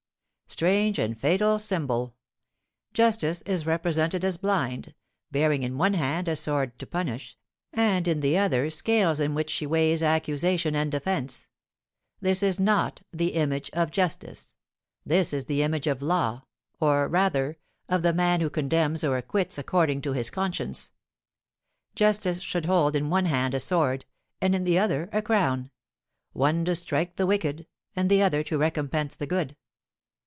Strange and fatal symbol! Justice is represented as blind, bearing in one hand a sword to punish, and in the other scales in which she weighs accusation and defence. This is not the image of Justice. This is the image of Law, or, rather, of the man who condemns or acquits according to his conscience. Justice should hold in one hand a sword, and in the other a crown, one to strike the wicked, and the other to recompense the good.